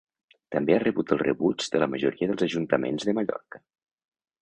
També ha rebut el rebuig de la majoria dels ajuntaments de Mallorca.